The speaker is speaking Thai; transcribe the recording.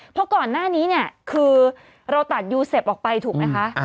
เพราะก่อนหน้านี้เนี่ยคือเราตัดยูเซฟออกไปถูกไหมคะ